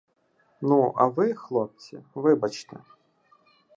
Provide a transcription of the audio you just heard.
— Ну, а ви, хлопці, вибачте.